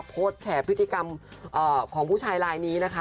แฉพฤติกรรมของผู้ชายลายนี้นะคะ